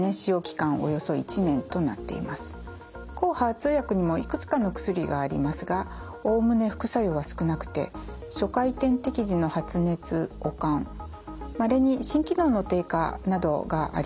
抗ＨＥＲ２薬にもいくつかの薬がありますがおおむね副作用は少なくて初回点滴時の発熱悪寒まれに心機能の低下などがあります。